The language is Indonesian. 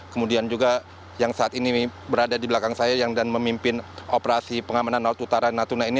kemudian juga yang saat ini berada di belakang saya yang dan memimpin operasi pengamanan laut utara natuna ini